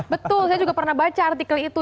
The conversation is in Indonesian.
betul saya juga pernah baca artikel itu